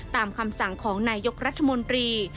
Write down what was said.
คำสั่งของนายยกรัฐมนตรี